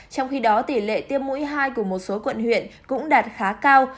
trong khi đó tỷ lệ tiêm mũi hai của một số quận huyện cũng đạt khá cao